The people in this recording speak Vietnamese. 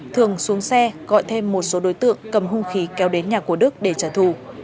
thường xuống xe gọi thêm một số đối tượng cầm hung khí kéo đến nhà của đức để trả thù